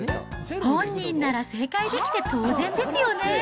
本人なら正解できて当然ですよね。